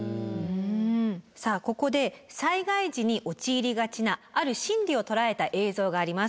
さあここで災害時に陥りがちなある心理を捉えた映像があります。